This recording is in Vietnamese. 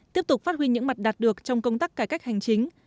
tiếp tục phát huy những mặt đạt được trong công tác cải cách hành chính